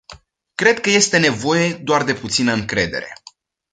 Cred că este nevoie doar de puțină încredere.